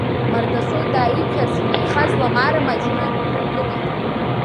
Мардасоу дааиԥхьарц инеихаз Ламара Мадина днылкылеит.